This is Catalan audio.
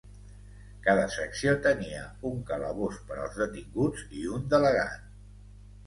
Cada secció tenia un calabós per als detinguts i un delegat.